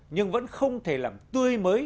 nhưng vẫn không thể làm tươi mới